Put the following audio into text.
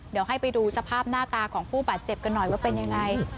เดี๋ยวให้ไปดูสภาพหน้าตาของผู้บาดเจ็บกันหน่อยว่าเป็นยังไง